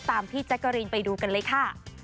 พี่แจ๊กกะรีนไปดูกันเลยค่ะ